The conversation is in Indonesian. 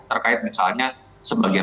terkait misalnya sebagian